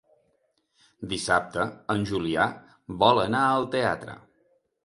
Dissabte en Julià vol anar al teatre.